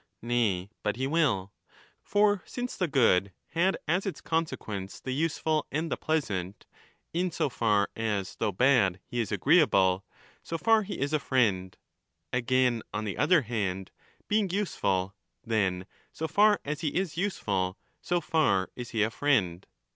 Nay, but he will. For since the good had as its consequence the useful and the pleasant, in so far as, though bad, he is agreeable, so far he is a friend ; again, on the other hand, being useful, then so far as he is useful, so far is he a friend.